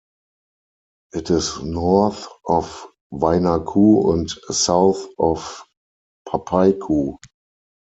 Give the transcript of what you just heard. It is north of Wainaku and south of Papaikou.